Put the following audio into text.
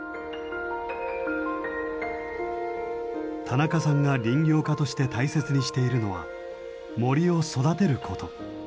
田中さんが林業家として大切にしているのは森を育てること。